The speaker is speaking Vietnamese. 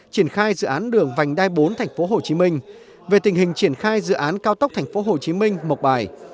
triển khai dự án đường vành đai bốn tp hcm về tình hình triển khai dự án cao tốc tp hcm một bài